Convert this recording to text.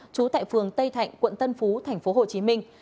trú tại phường tây thạnh quận tân phú thành phố hồ chí minh